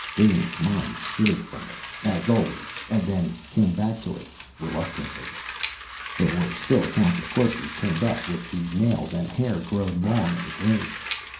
Dane's mind skittered from it, as always, and then came back to it reluctantly. There were still accounts of corpses turned up with the nails and hair grown long in the grave.